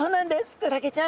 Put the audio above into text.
クラゲちゃん。